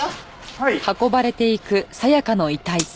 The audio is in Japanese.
はい。